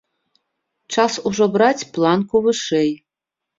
Час ужо браць планку вышэй.